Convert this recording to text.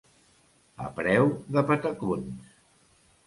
A preu de patacons.